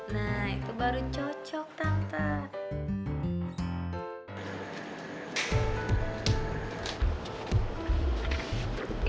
nah itu baru cocok tangka